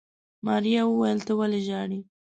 ماريا وويل ته ولې ژاړې.